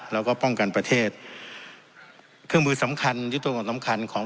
แล้วก็ป้องกันประเทศเครื่องมือสำคัญที่ตัวสำคัญของ